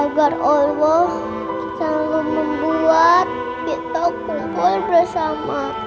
agar allah selalu membuat kita kumpul bersama